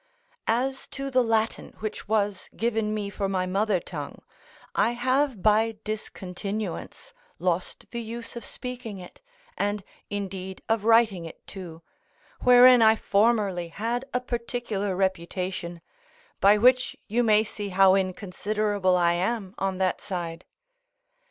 As to the Latin, which was given me for my mother tongue, I have by discontinuance lost the use of speaking it, and, indeed, of writing it too, wherein I formerly had a particular reputation, by which you may see how inconsiderable I am on that side.